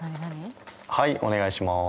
はいお願いします。